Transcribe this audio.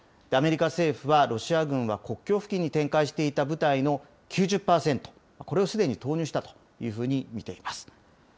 アメリカ政府はロシア軍は国境付近に展開していた部隊の９０％、これをすでに投入したというふうに見ています。